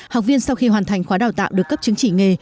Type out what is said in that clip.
học viên sau khi hoàn thành khóa đào tạo được cấp chứng chỉ nghề